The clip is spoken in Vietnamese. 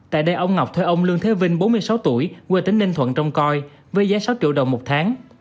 tại đây ông ngọc thuê ông lương thế vinh bốn mươi sáu tuổi quê tỉnh ninh thuận trông coi với giá sáu triệu đồng một tháng